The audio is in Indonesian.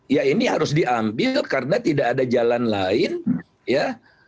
ya ini harus diambil karena tidak ada jalan lain ya